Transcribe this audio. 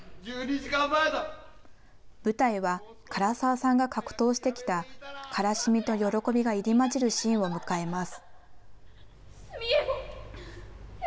舞台は柄沢さんが格闘してきた悲しみと喜びが入り交じるシーンを迎えます。